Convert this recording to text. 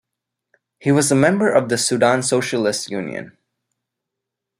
He was a member of the Sudan Socialist Union.